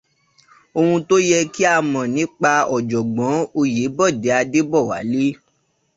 Oun tó yẹ kí o mọ̀ nípa Ọ̀jọ̀gbọ́n Oyèébọ̀dé Adébọ̀wálé